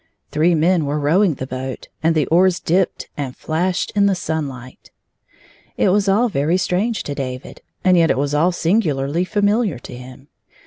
Three men were rowing the boat, and the oars dipped and flashed in the sunlight. It was all very strange to David, and yet it was all singularly familiar to him.